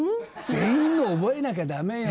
全員のを覚えなきゃダメよ。